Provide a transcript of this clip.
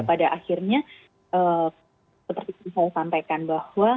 pada akhirnya seperti yang saya sampaikan bahwa